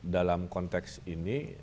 dalam konteks ini